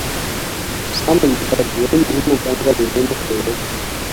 Samun littafin wani muhimmin ɓangare ne na koyo.